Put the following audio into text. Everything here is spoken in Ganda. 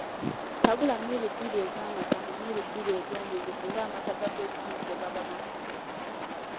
Tabula miiru bbiri ez’amata mu miiru bbiri ez’omwenge singa amata gagwa ebisejja gaba mafu